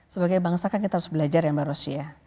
sebagai bangsa kan kita harus belajar ya mbak rosy ya